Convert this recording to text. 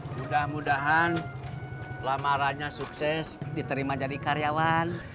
mudah mudahan lamarannya sukses diterima jadi karyawan